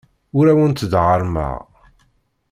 Ur awent-d-ɣerrmeɣ.